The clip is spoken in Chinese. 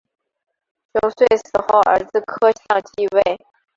熊遂死后儿子柯相继位。